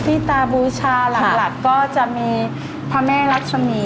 ที่ตาบูชาหลักก็จะมีพระแม่รักษมี